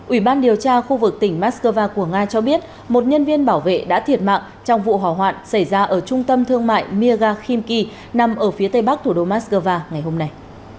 ủy ban điều tra khu vực tỉnh moscow của nga cho biết một nhân viên bảo vệ đã thiệt mạng trong vụ hỏa hoạn xảy ra ở trung tâm thương mại megakimi nằm ở phía tây bắc thủ đô moscow ngày hôm nay